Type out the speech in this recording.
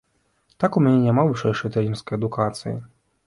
Так, у мяне няма вышэйшай трэнерскай адукацыі.